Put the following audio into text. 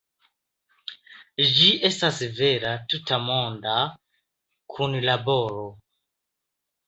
Ĝi estas vera tutmonda kunlaboro.